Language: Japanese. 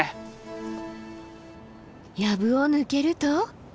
やぶを抜けると。